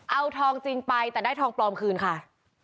เอาทองจริงไปแต่ได้ทองปลอมคืนค่ะ